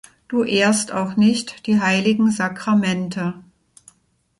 Du ehrst auch nicht die heiligen Sakramente.